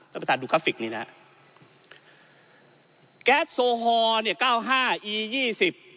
ประธานดูกราฟิกนี้นะฮะแก๊สโซฮอลเนี่ยเก้าห้าอียี่สิบ